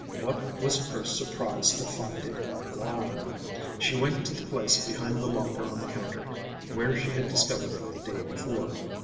What was her surprise to find it gone! She went to the place behind the locker on the counter, where she had discovered it the day before.